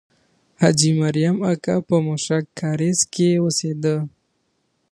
حاجي مریم اکا په موشک کارېز کې اوسېده.